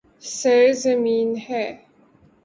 سرزمین ہے